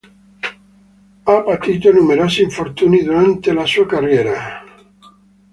Ha patito numerosi infortuni durante la sua carriera.